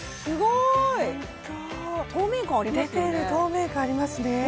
すごーい透明感ありますよね